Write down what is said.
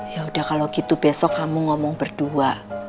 ya udah kalau gitu besok kamu ngomong berdua